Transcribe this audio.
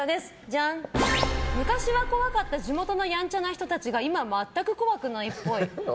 昔は怖かった地元のやんちゃな人たちが今は全く怖くないっぽい。